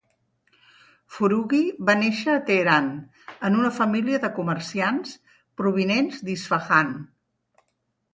Foroughi va néixer a Teheran en una família de comerciants provinents d'Isfahan.